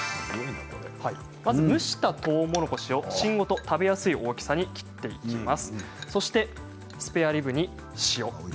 蒸したとうもろこしを芯ごと食べやすい大きさに切っていきます。